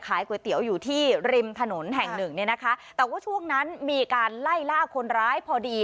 ก๋วยเตี๋ยวอยู่ที่ริมถนนแห่งหนึ่งเนี่ยนะคะแต่ว่าช่วงนั้นมีการไล่ล่าคนร้ายพอดี